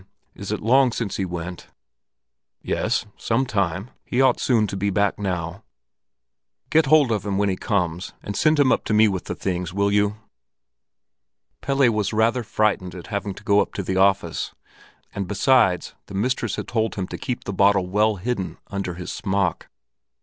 Is it long since he went?" "Yes, some time. He ought soon to be back now." "Get hold of him when he comes, and send him up to me with the things, will you?" Pelle was rather frightened at having to go up to the office, and besides the mistress had told him to keep the bottle well hidden under his smock.